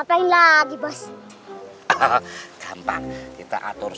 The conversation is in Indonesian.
terus ngapain lagi bos